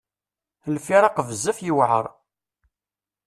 Lfiraq bezzaf yewɛer.